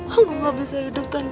aku gak bisa hidup kan